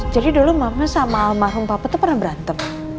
jadi dulu mama sama almarhum papa itu pernah berantem